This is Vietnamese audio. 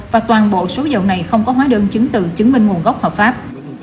và toàn bộ số dầu này không có hóa đơn chứng từ chứng minh nguồn gốc hợp pháp